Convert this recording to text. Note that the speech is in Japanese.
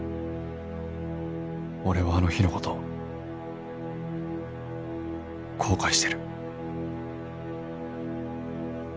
俺はあの日の事後悔してる